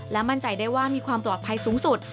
มั่นใจได้ว่ามีความปลอดภัยสูงสุด